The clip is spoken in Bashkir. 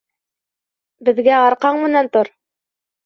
Беҙгә арҡаң менән тор.